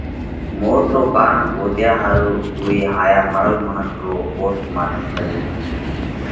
موت رو ڪارڻ ڳوتيا ۿارُو اُوئي هائيا مرل منک رو پوسٽ مارٽم ڪريو